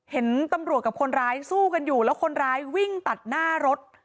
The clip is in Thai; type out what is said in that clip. เห็นตำรวจกับคนร้ายสู้กันอยู่แล้วคนร้ายวิ่งตัดหน้ารถ